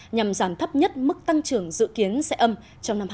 nhằm giảm thấp nhất mức tăng trưởng dự kiến sẽ âm trong năm hai nghìn hai mươi